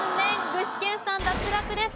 具志堅さん脱落です。